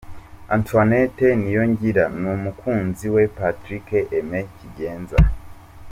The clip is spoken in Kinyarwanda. Antoinette Niyongira n'umukunzi we Patrick Aimé Kigenza.